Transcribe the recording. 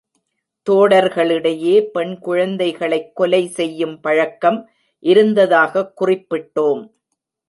தோடர்களிடையே பெண் குழந்தைகளைக் கொலை செய்யும் பழக்கம் இருந்ததாகக் குறிப்பிட்டோம்.